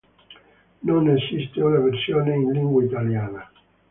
Non esiste una versione in lingua italiana.